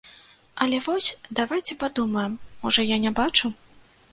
Але вось давайце падумаем, можа, я не бачу.